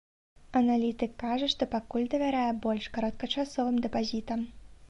Аналітык кажа, што пакуль давярае больш кароткачасовым дэпазітам.